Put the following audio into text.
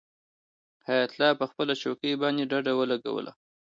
حیات الله په خپله چوکۍ باندې ډډه ولګوله.